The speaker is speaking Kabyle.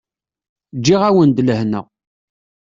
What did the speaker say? Ǧǧiɣ-awen-d lehna.